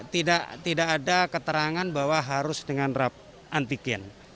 tidak ada keterangan bahwa harus dengan rap antigen